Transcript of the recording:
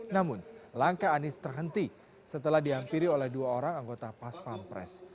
namun langkah anies terhenti setelah dihampiri oleh dua orang anggota pas pampres